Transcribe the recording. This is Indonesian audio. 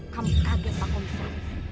kamu kaget pak komsel